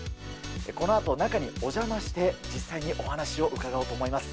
この後中にお邪魔して実際にお話を伺おうと思います。